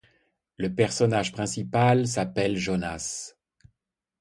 Le personnage principal s'appelle Jonas.